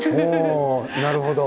なるほど。